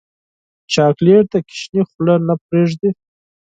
چاکلېټ د ماشوم خوله نه پرېږدي.